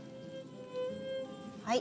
はい。